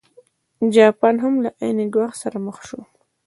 جاپان هم له عین ګواښ سره مخ شو.